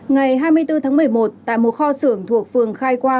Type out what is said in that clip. ngày hai mươi bốn tháng một mươi một tại một kho xưởng thuộc phường khai quang